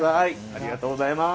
ありがとうございます！